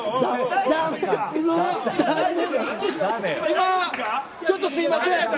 今、ちょっとすいません。